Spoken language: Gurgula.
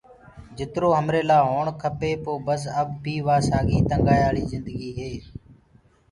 جِترو همري لآ هوڻ کپي پو بس اَڻي اب بي وا ساڳي تنگایاݪ جِندگي هي۔